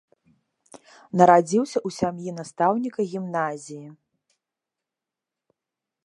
Нарадзіўся ў сям'і настаўніка гімназіі.